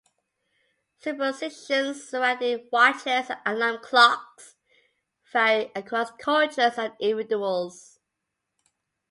Superstitions surrounding watches and alarm clocks vary across cultures and individuals.